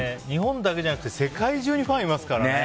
日本だけじゃなくて世界中にファンいますからね。